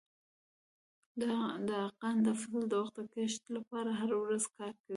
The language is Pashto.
دهقان د فصل د وختي کښت لپاره هره ورځ کار کوي.